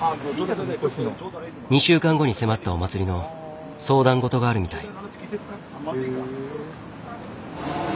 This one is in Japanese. ２週間後に迫ったお祭りの相談事があるみたい。